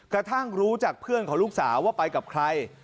กระทั่งรู้จากเพื่อนของลูกสาวว่าไปกับใคร